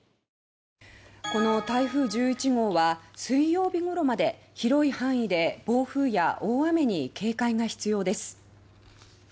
この台風１１号は水曜日ごろまで広い範囲で暴風や大雨に警戒が必要です。